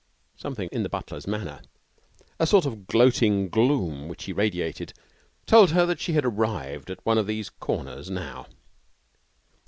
Something in the butler's manner, a sort of gloating gloom which he radiated, told her that she had arrived at one of these corners now.